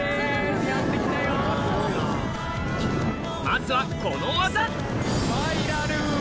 まずはこの技フォ！